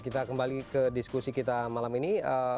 kita kembali ke diskusi kita malam ini